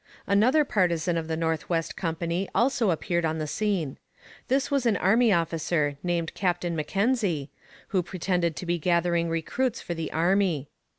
Another partisan of the North West Company also appeared on the scene. This was an army officer named Captain Mackenzie, who pretended to be gathering recruits for the army.